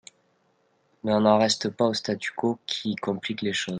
Mais on n’en reste pas au statu quo qui complique les choses.